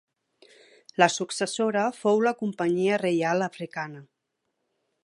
La successora fou la Companyia Reial Africana.